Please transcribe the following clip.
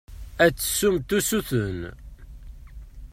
Ad d-tessumt usuten.